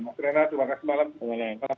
pak terena terima kasih selamat malam